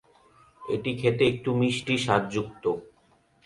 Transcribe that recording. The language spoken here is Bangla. এটি খেতে একটু মিষ্টি স্বাদযুক্ত।